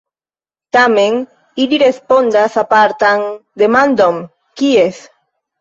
Tamen ili respondas apartan demandon: "kies?